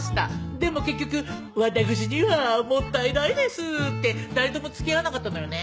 でも結局「わたくしにはもったいないです」って誰とも付き合わなかったのよね。